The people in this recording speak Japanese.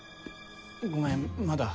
ごめんまだ。